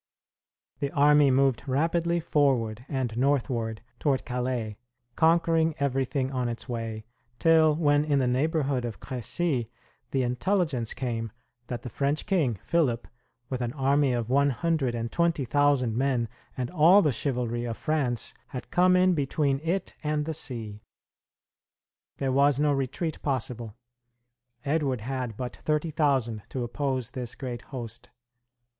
The army moved rapidly forward and northward toward Calais, conquering everything on its way, till when in the neighborhood of Crecy, the intelligence came that the French king, Philip, with an army of one hundred and twenty thousand men and all the chivalry of France, had come in between it and the sea. There was no retreat possible. Edward had but thirty thousand to oppose this great host.